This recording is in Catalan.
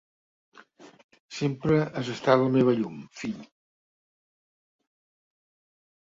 Sempre has estat la meva llum, fill.